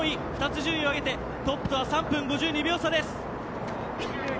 ２つ順位を上げてトップとは３分５２秒差です。